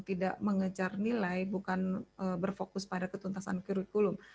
tidak mengejar nilai bukan berfokus pada ketuntasan kurikulum